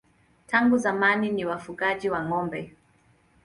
Tangu zamani ni wafugaji wa ng'ombe.